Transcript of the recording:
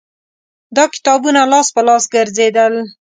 دا کتابونه لاس په لاس ګرځېدل